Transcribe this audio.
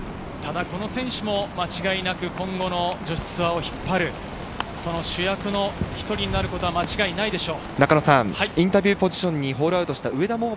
ただこの選手も間違いなく今後の女子ツアーを引っ張る、その主役の一人になることは間違いないでしょう。